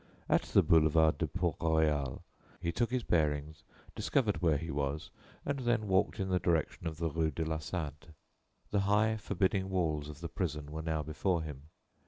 At the Boulevard de Port Royal he took his bearings, discovered where he was, and then walked in the direction of the rue de la Santé. The high forbidding walls of the prison were now before him.